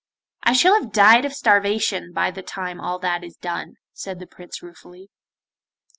'I shall have died of starvation by the time all that is done,' said the Prince ruefully.